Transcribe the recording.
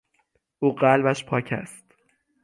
او قلبش پاک است.